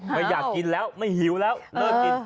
ไม่อยากกินแล้วไม่หิวแล้วเลิกกิน